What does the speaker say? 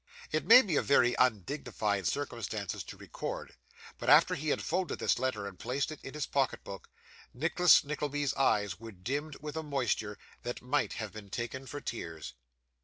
It may be a very undignified circumstances to record, but after he had folded this letter and placed it in his pocket book, Nicholas Nickleby's eyes were dimmed with a moisture that might have been taken for tears.